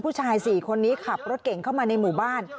ผู้ชาย๔คนนี้ขับรถเก่งเข้ามาในหมู่บ้าน